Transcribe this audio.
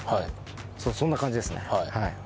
そんな感じですね。